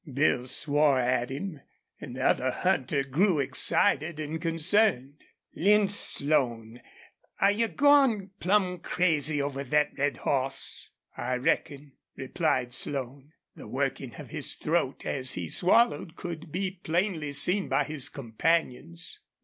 Bill swore at him, and the other hunter grew excited and concerned. "Lin Slone, are you gone plumb crazy over thet red hoss?" "I reckon," replied Slone. The working of his throat as he swallowed could be plainly seen by his companions.